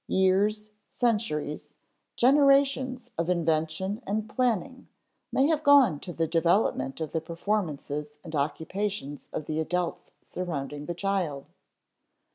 Years, centuries, generations of invention and planning, may have gone to the development of the performances and occupations of the adults surrounding the child.